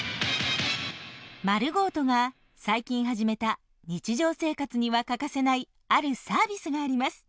ｍａｒｕｇｏ−ｔｏが最近始めた日常生活には欠かせないあるサービスがあります。